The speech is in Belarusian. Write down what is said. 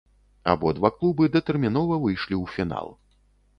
Абодва клубы датэрмінова выйшлі ў фінал.